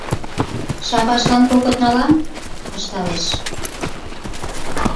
— Шапашлан кокыт налам? — ышталеш.